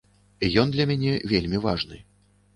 Ён для мяне вельмі важны.